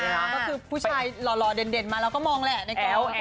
ก็คือผู้ชายหล่อเด่นมาเราก็มองแหละในแก้ว